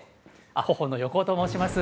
広報の横尾と申します。